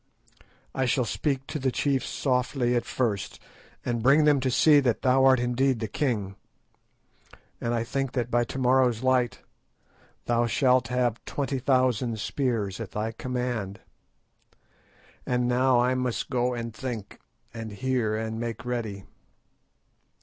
I shall speak to the chiefs softly at first, and bring them to see that thou art indeed the king, and I think that by to morrow's light thou shalt have twenty thousand spears at thy command. And now I must go and think, and hear, and make ready.